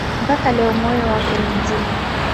Mpaka leo moyo wake ni mzima.